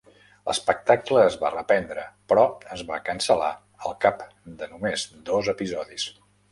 L'espectacle es va reprendre, però es va cancel·lar al cap de només dos episodis.